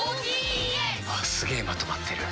すげえまとまってる。